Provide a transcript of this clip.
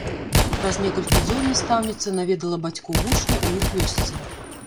Праз некалькі дзён настаўніца наведала бацькоў вучня ў іх вёсцы.